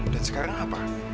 dan sekarang apa